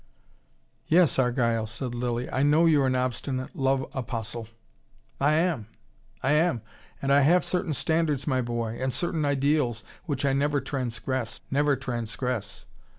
"Yes, Argyle," said Lilly. "I know you're an obstinate love apostle." "I am! I am! And I have certain standards, my boy, and certain ideals which I never transgress. Never transgress.